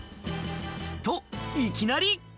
と、いきなり。